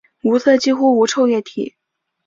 无色几乎无臭液体。